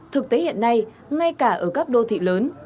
thực tế hiện nay ngay cả ở các đô thị lớn